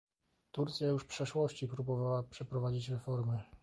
Turcja już przeszłości próbowała przeprowadzić reformy